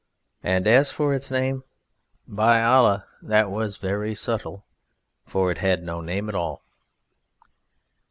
And as for its name, By Allah! that was very subtle for it had no name at all.